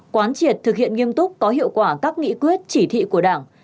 quán triệt thực hiện nghiêm túc có hiệu quả các nghị quyết chỉ thị của đảng